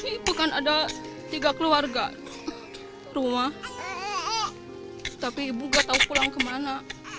itu kan ada tiga keluarga rumah tapi ibu gak tahu pulang kemana